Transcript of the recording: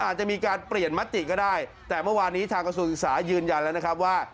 อาจจะมีการเปลี่ยนมติก็ได้แต่เมื่อวานนี้ทางกระทรวงศึกษายืนยันแล้วนะครับว่า